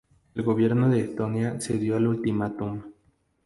El gobierno de Estonia cedió al ultimátum.